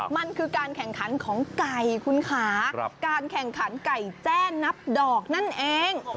มันคือการแข่งขันของไก่คุณค่ะการแข่งขันไก่แจนับดอกนั่นเอง